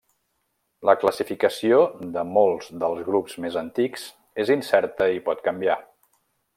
La classificació de molts dels grups més antics és incerta i pot canviar.